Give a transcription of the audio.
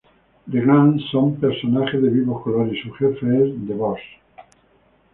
The gangs Son personajes de vivos colores y su jefe es The Boss.